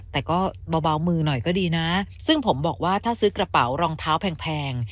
แต่ก็เบามือหน่อยก็ดีนะซึ่งผมบอกว่าถ้าซื้อกระเป๋ารองเท้าแพง